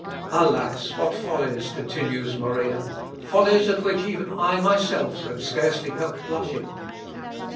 "Alas! what follies," continues Moria, "follies at which even I myself can scarcely help blushing!